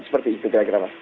seperti itu kira kira